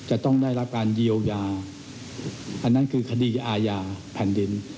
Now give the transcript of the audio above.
อันนั้นคือคดีอาหญาแผ่นดิน